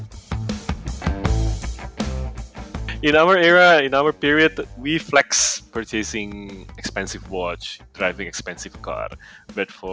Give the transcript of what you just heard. di era kita di periode kita kita fleks membeli watch yang mahal memandu mobil yang mahal